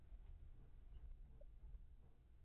卢瓦河畔蒙图瓦尔人口变化图示